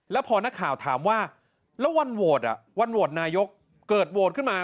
แล้วพอนักข่าวถามว่าแล้ววันโหวตวันโหวตนายกเกิดโหวตขึ้นมา